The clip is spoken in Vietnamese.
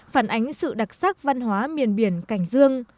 phản ánh sự đặc sắc văn hóa miền biển cảnh dương